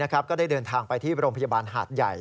ก็ได้เดินทางไปที่โรงพยาบาลหาดใหญ่